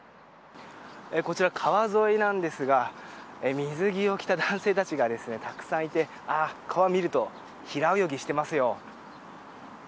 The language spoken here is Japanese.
こちら川沿いなんですが水着を着た男性たちがたくさんいて川を見ると平泳ぎしてますよ。